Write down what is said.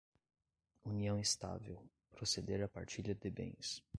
união estável, proceder à partilha de bens